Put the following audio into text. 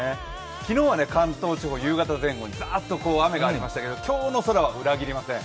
昨日は関東地方、夕方前後にザッと雨がありましたけど今日の空は裏切りません。